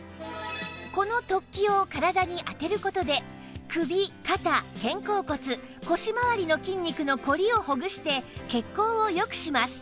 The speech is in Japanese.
この突起を体に当てる事で首肩肩甲骨腰回りの筋肉の凝りをほぐして血行を良くします